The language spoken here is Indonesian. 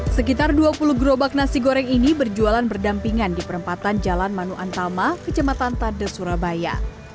sekitar dua puluh gerobak nasi goreng ini berjualan berdampingan di perempatan jalan manu antama kecematan tade surabaya